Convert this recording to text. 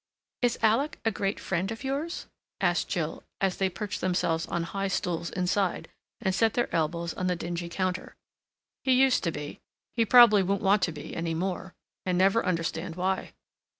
"Is Alec a great friend of yours?" asked Jill as they perched themselves on high stools inside, and set their elbows on the dingy counter. "He used to be. He probably won't want to be any more—and never understand why."